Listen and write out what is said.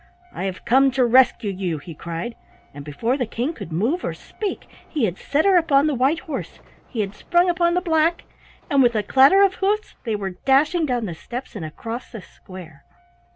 "I have come to rescue you!" he cried, and before the King could move or speak he had set her upon the white horse, he had sprung upon the black, and with a clatter of hoofs they were dashing down the steps and across the square.